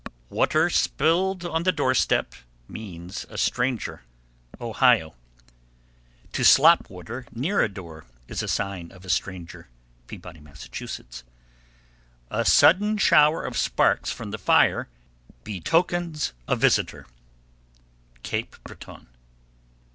_ 790. Water spilled on the doorstep means a stranger. Ohio. 791. To slop water near a door is a sign of a stranger. Peabody, Mass. 792. A sudden shower of sparks from the fire betokens a visitor. _Cape Breton.